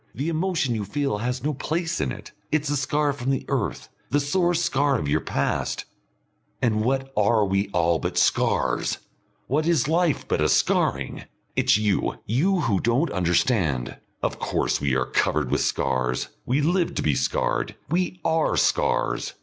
The emotion you feel has no place in it. It's a scar from the earth the sore scar of your past " "And what are we all but scars? What is life but a scarring? It's you you who don't understand! Of course we are covered with scars, we live to be scarred, we are scars!